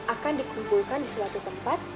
akan dikumpulkan di suatu tempat